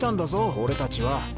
俺たちは。